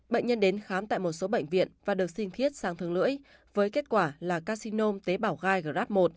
bệnh nhân đến khám tại một số bệnh viện và được xin thiết sang thương lưỡi với kết quả là carcinome tế bảo gai grap một